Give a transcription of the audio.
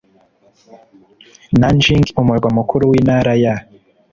nanjing umurwa mukuru w intara ya